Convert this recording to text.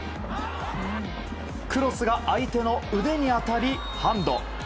クロスが相手の腕に当たりハンド。